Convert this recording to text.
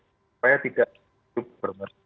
supaya tidak hidup